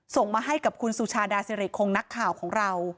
ส่งมาให้กับคุณสุชาดาสิริคงนักข่าวของเรา